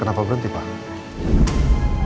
kenapa berhenti pak